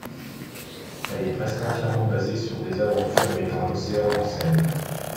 Elle est presque entièrement basée sur des aventures mettant l'océan en scène.